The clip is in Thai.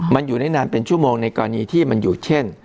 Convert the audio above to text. มันอยู่ได้นานเป็นชั่วโมงในกรณีที่มันอยู่เช่น